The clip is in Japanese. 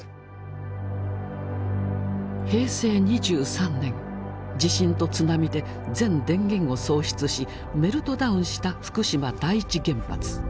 平成２３年地震と津波で全電源を喪失しメルトダウンした福島第一原発。